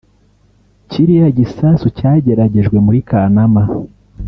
Kiriya gisasu cyageragejwe muri Kanama